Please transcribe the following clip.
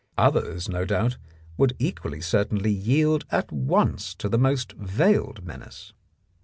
Others, no doubt, would equally certainly yield at once to the most veiled menace.